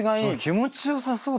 気持ちよさそうだった。